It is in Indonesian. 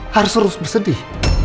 harus terus bersedih